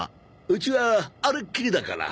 うちはあれっきりだから。